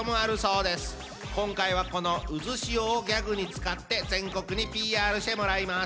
今回はこのうずしおをギャグに使って全国にＰＲしてもらいます。